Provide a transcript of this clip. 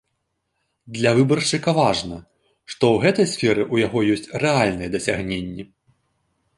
Для выбаршчыка важна, што ў гэтай сферы ў яго ёсць рэальныя дасягненні.